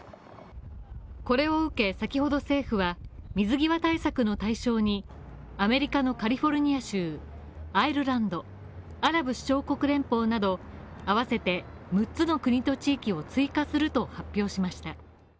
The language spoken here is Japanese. これを受け先ほど政府は水際対策の対象に、アメリカのカリフォルニア州アイルランド、アラブ首長国連邦など、合わせて六つの国と地域を追加すると発表しました。